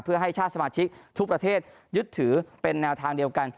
เพื่อให้ชาติสมาชิกทุกประเทศยึดถือเป็นแนวทางเดียวกัน